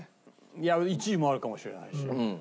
いや１位もあるかもしれないし。